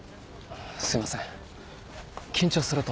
すいません緊張すると。